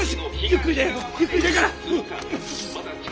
ゆっくりでええから。